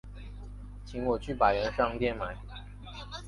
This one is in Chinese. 请我去百元商店买